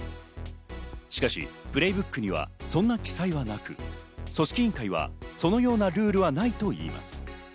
しかしプレイブックにはそんな記載はなく、組織委員会はそのようなルールはないといいます。